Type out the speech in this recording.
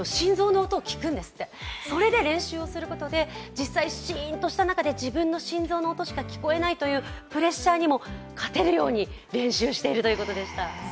実際シーンとした中で、自分の心臓の音しか聞こえないというプレッシャーにも勝てるように練習しているということでした。